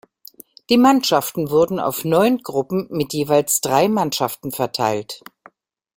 Die Mannschaften wurden auf neun Gruppen mit jeweils drei Mannschaften verteilt.